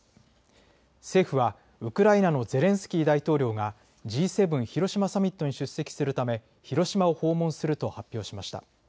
政府はウクライナのゼレンスキー大統領がＧ７広島サミットに出席するため広島を訪問すると発表しました。